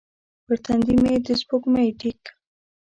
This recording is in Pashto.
پر تندې مې د سپوږمۍ ټیک